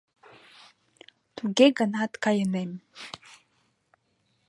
Туге гынат кайынем.